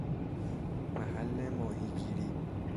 محل ماهیگیری